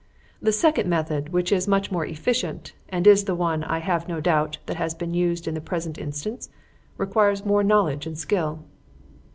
The second method, which is much more efficient, and is the one, I have no doubt, that has been used in the present instance, requires more knowledge and skill.